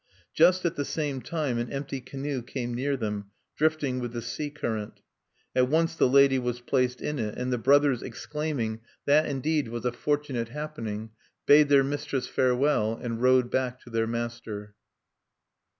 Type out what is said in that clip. Just at the same time an empty canoe came near them, drifting with the sea current. At once the lady was placed in it; and the brothers, exclaiming, "That indeed was a fortunate happening," bade their mistress farewell, and rowed back to their master.